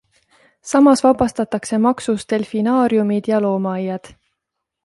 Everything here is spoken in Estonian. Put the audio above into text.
Samas vabastatakse maksust delfinaariumid ja loomaaiad.